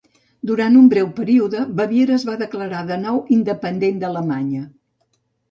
Durant un breu període, Baviera es va declarar de nou independent d'Alemanya.